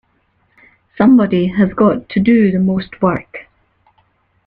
Somebody has got to do the most work.